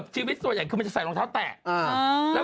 ชีวิตส่วนใหญ่คือมันจะใส่รองเท้าแตะ